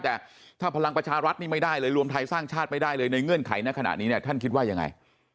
แต่ถ้าพลังประชารัฐนี่ไม่ได้เลยรวมไทยสร้างชาติไม่ได้เลยในเงื่อนไขในขณะนี้เนี่ยท่านคิดว่ายังไง